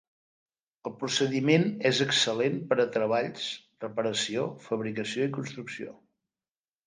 El procediment és excel·lent per a treballs, reparació, fabricació i construcció.